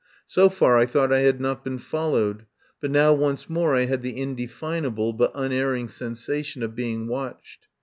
So far I thought I had not been followed, but now once more I had the indefinable but unerring sensation of being watched.